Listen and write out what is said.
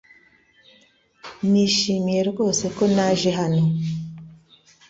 Nishimiye rwose ko naje hano .